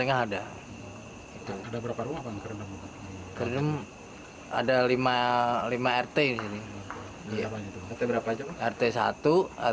ada berapa rumah pak yang terendam